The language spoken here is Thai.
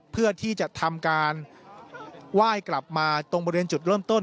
เพื่อที่จะทำการไหว้กลับมาตรงบริเวณจุดเริ่มต้น